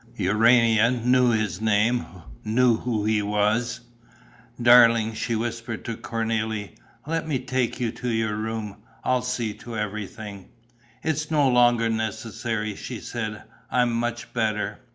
Urania knew his name, knew who he was: "Darling," she whispered to Cornélie, "let me take you to your room. I'll see to everything." "It's no longer necessary," she said. "I'm much better.